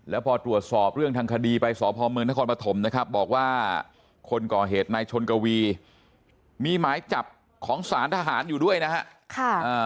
แล้วพอตรวจสอบเรื่องทางคดีไปสพเมืองนครปฐมนะครับบอกว่าคนก่อเหตุนายชนกวีมีหมายจับของสารทหารอยู่ด้วยนะฮะ